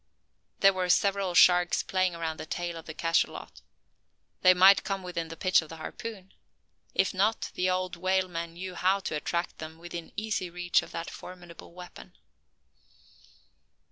There were several sharks playing around the tail of the cachalot. They might come within the pitch of a harpoon. If not, the old whaleman knew how to attract them within easy reach of that formidable weapon.